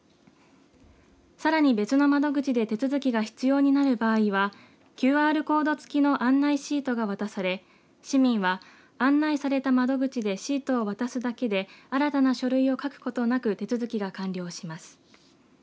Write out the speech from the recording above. さらに別の窓口で手続きが必要になる場合はＱＲコード付きの案内シートが渡され市民は案内された窓口でシートを渡すだけで新たな書類を書くことなく手続きが完了します。